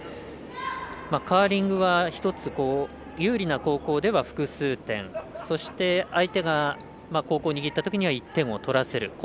カーリングは１つ有利な後攻では複数点、そして相手が後攻を握ったときには１点を取らせる。